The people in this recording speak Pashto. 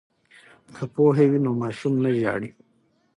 که پوهه وي نو ماشوم نه ژاړي.